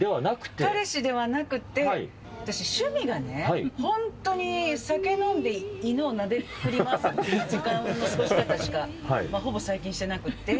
彼氏ではなくて、私、趣味がね、本当に酒飲んで犬をなで繰り回すという時間の過ごし方しかほぼ最近してなくって。